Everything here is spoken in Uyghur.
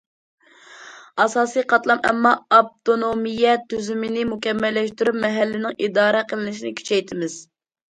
ئاساسىي قاتلام ئامما ئاپتونومىيە تۈزۈمىنى مۇكەممەللەشتۈرۈپ، مەھەللىنىڭ ئىدارە قىلىنىشىنى كۈچەيتىمىز.